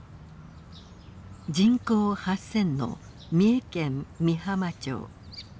人口８，０００の三重県御浜町。